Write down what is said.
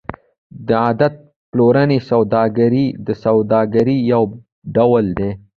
د عمده پلورنې سوداګري د سوداګرۍ یو ډول دی